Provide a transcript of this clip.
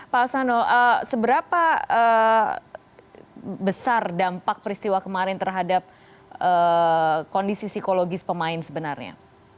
pak asano seberapa besar dampak peristiwa kemarin terhadap kondisi psikologis pemain sebenarnya